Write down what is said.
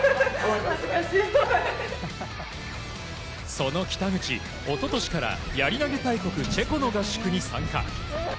その北口、一昨年からやり投げ大国チェコの合宿に参加。